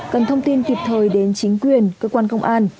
cần thông tin kịp thời đến chính quyền cơ quan công an